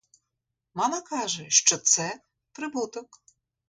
Мама каже, що це — прибуток.